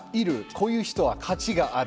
こういう人は価値がある。